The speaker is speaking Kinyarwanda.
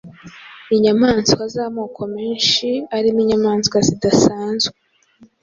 inyamaswa z’ amoko menshi arimo inyamaswa zidasanzwe